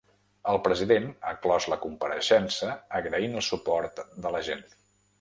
El president ha clos la compareixença agraint el suport de la gent.